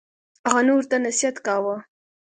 هغه نورو ته نصیحت کاوه.